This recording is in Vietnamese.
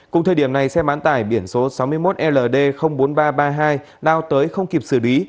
cùng thời điểm này xe bán tải biển số sáu mươi một ld bốn nghìn ba trăm ba mươi hai lao tới không kịp xử lý